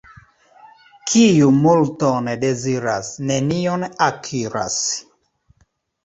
Kiu multon deziras, nenion akiras.